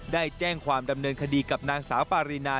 ได้แจ้งความดำเนินคดีกับนางสาวปารีนา